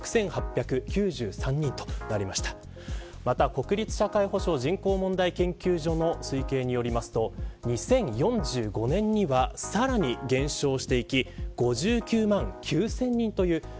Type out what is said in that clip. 国立社会保障・人口問題研究所の推計によりますと２０４５年にはさらに減少していきます。